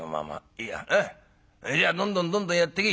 いいやほいじゃあどんどんどんどんやってけ」。